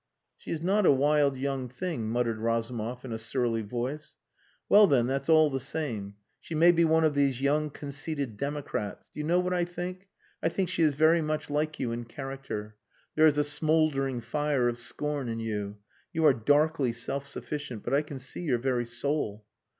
"She is not a wild young thing," muttered Razumov, in a surly voice. "Well, then that's all the same. She may be one of these young conceited democrats. Do you know what I think? I think she is very much like you in character. There is a smouldering fire of scorn in you. You are darkly self sufficient, but I can see your very soul."